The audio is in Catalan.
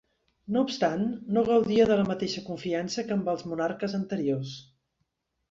No obstant, no gaudia de la mateixa confiança que amb els monarques anteriors.